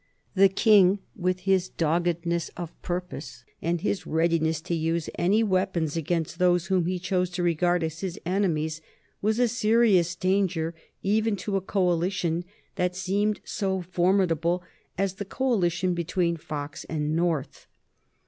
The King, with his doggedness of purpose and his readiness to use any weapons against those whom he chose to regard as his enemies, was a serious danger even to a coalition that seemed so formidable as the coalition between Fox and North.